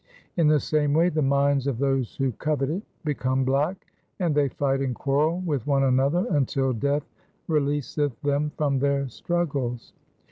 In the same way the minds of those who covet it become black ; and they fight and quarrel with one another until death releaseth them from their struggles.'